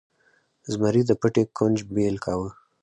زمري د پټي کونج بیل کاوه.